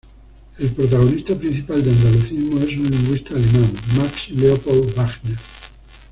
El protagonista principal de andalucismo es un lingüista alemán, Max Leopold Wagner.